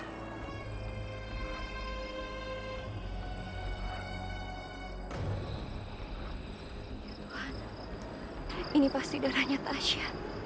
iya ini pasti darahnya tasya